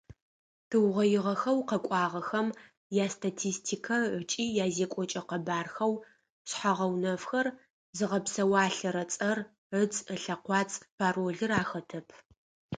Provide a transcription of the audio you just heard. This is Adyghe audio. Тыугъоигъэхэу къэкӏуагъэхэм ястатистикэ ыкӏи язекӏокӏэ къэбархэу шъхьэ-гъэунэфхэр: зыгъэпсэуалъэрэ-цӏэр, ыцӏ, ылъэкӏуацӏ, паролыр ахэтэп.